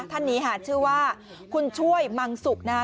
ท่านนี้ค่ะชื่อว่าคุณช่วยมังสุกนะคะ